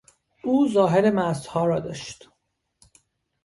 او ظاهر مستها را داشت.